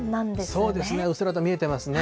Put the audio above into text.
そうですね、うっすらと見えてますね。